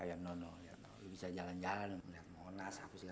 jangan beranggung gua adi